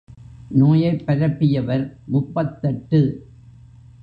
நோயைப் பரப்பியவர் முப்பத்தெட்டு.